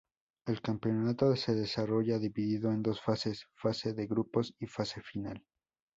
El campeonato se desarrolla dividido en dos fases: fase de grupos y fase final.